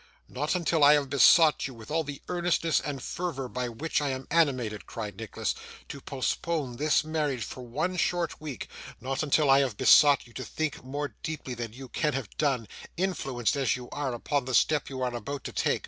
'Not until I have besought you, with all the earnestness and fervour by which I am animated,' cried Nicholas, 'to postpone this marriage for one short week. Not until I have besought you to think more deeply than you can have done, influenced as you are, upon the step you are about to take.